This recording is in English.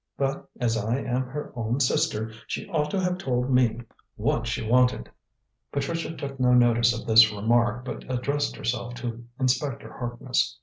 But, as I am her own sister, she ought to have told me what she wanted." Patricia took no notice of this remark, but addressed herself to Inspector Harkness.